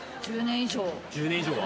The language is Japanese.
１０年以上は。